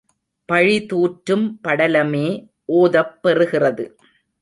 பழிதுாற்றும் படலமே ஓதப் பெறுகிறது.